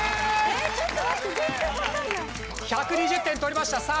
１２０点取りました。